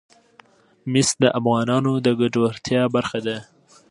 مس د افغانانو د ګټورتیا برخه ده.